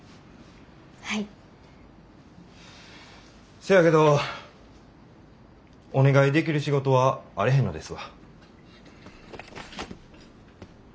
せやけどお願いできる仕事はあれへんのですわ。